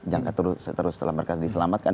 jangka terus setelah mereka diselamatkan